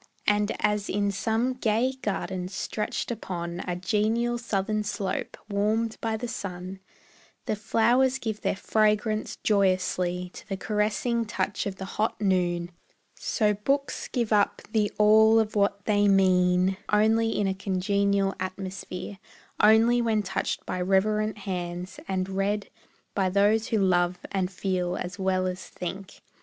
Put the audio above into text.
And as in some gay garden stretched upon A genial southern slope, warmed by the sun, The flowers give their fragrance joyously To the caressing touch of the hot noon; So books give up the all of what they mean Only in a congenial atmosphere, Only when touched by reverent hands, and read By those who love and feel as well as think.